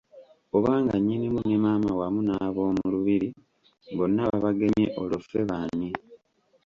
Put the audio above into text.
Obanga Nnyinimu ne Maama wamu n'ab'omu lubiri bonna babagemye olwo ffe baani!